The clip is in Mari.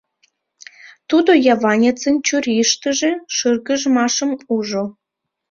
Тудо яванецын чурийыштыже шыргыжмашым ужо.